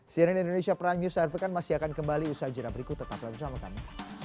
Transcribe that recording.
cnn indonesia prime news seharusnya akan kembali usaha jera berikut tetap berlangsung sama kami